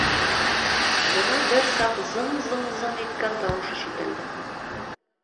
Бына бер саҡ зың-зың-зың иткән тауыш ишетелде.